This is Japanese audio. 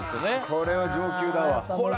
これは上級だわ。